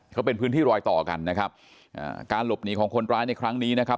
เขาเป็นพื้นที่รอยต่อกันนะครับอ่าการหลบหนีของคนร้ายในครั้งนี้นะครับ